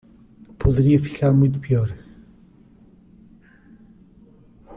Poderia ficar muito pior.